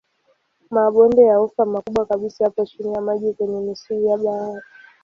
Mabonde ya ufa makubwa kabisa yapo chini ya maji kwenye misingi ya bahari.